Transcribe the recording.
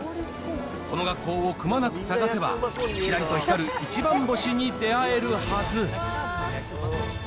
この学校をくまなく探せば、きらりと光るイチバン星に出会えるはず。